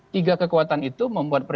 tiga kekuatan itu membuat